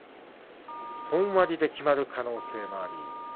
本割で決まる可能性もあり。